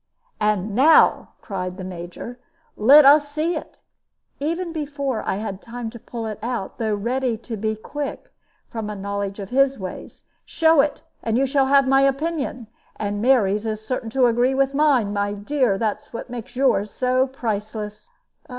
"And now," cried the Major, "let us see it" even before I had time to pull it out, though ready to be quick, from a knowledge of his ways. "Show it, and you shall have my opinion. And Mary's is certain to agree with mine. My dear, that makes yours so priceless."